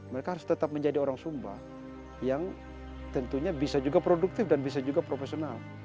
mereka harus tetap menjadi orang sumba yang tentunya bisa juga produktif dan bisa juga profesional